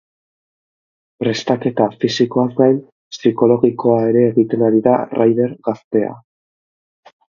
Prestaketa fisikoaz gain, psikologikoa ere egiten ari da raider gaztea.